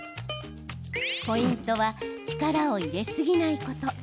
ポイントは力を入れすぎないこと。